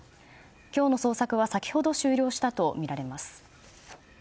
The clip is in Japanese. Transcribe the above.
今日の捜索は先ほど終了したとみられます。